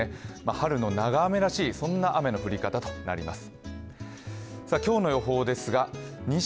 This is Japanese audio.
春の長雨らしいそんな雨の降り方となります。